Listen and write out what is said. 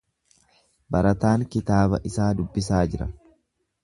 Barataan kitaaba isaa dubbisaa jira.